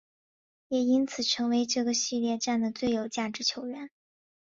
也因此成为这个系列战的最有价值球员。